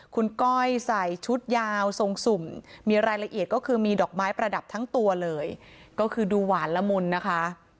คุณก้อยใส่ชุดยาวทรงสุ่มมีรายละเอียดก็คือมีดอกไม้ประดับทั้งตัวเลยก็คือดูหวานละมุนนะคะ